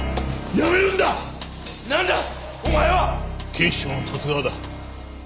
警視庁の十津川だ。